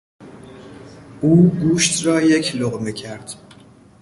او گوشت را یک لقمه کرد.